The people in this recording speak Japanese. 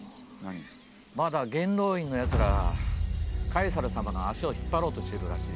まだ元老院のやつらがカエサル様の足を引っ張ろうとしてるらしい。